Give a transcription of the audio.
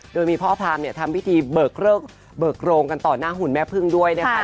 โดยมีพ่อพามเนี่ยทำพิธีเบิกเบิกโรงกันต่อหน้าหุ่นแม่พึ่งด้วยนะคะ